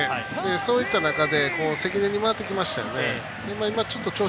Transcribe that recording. そういった中で関根に回ってきましたよね。